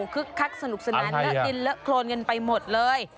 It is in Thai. คักสนุกสนานเลอะดินเลอะโครนกันไปหมดเลย